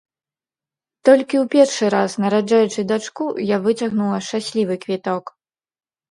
Толькі ў першы раз, нараджаючы дачку, я выцягнула шчаслівы квіток.